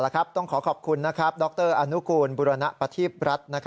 ครับต้องขอขอบคุณดรอนุคูณบุรณปฏิพรัชน์